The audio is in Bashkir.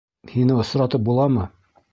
Һине осратып буламы?